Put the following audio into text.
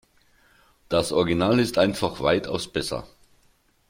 Das Original ist einfach weitaus besser.